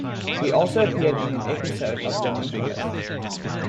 He also appeared in an episode of "The Mentalist".